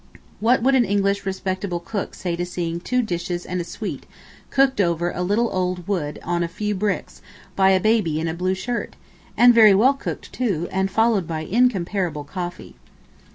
What would an English respectable cook say to seeing 'two dishes and a sweet' cooked over a little old wood on a few bricks, by a baby in a blue shirt? and very well cooked too, and followed by incomparable coffee.